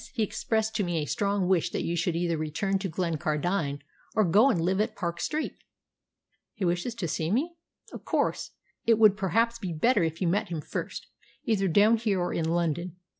He expressed to me a strong wish that you should either return to Glencardine or go and live at Park Street." "He wishes to see me?" "Of course. It would perhaps be better if you met him first, either down here or in London.